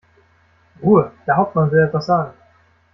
Ruhe! Der Hauptmann will etwas sagen.